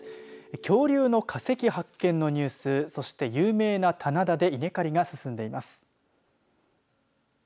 恐竜の化石発見のニュースそして有名な棚田で稲刈りが進んでいます。